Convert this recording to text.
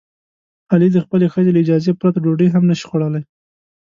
علي د خپلې ښځې له اجازې پرته ډوډۍ هم نشي خوړلی.